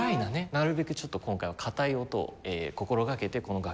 なるべくちょっと今回は硬い音を心掛けてこの楽器を使おうかなと。